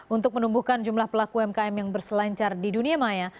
untuk menumbuhkan jumlah pelaku umkm yang berselancar di dunia maya